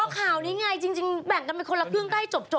อ๋อข่าวนี้ไงจริงแบ่งกันกันเป็นคนละพูดให้จบ